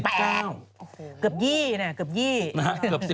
เกือบ๒๐เนี่ยเกือบ๒๐